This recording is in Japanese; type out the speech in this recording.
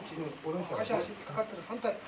足足かかってる反対。